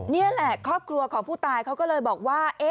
นี่แหละครอบครัวของผู้ตายเขาก็เลยบอกว่า